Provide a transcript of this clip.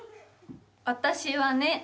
「私はね」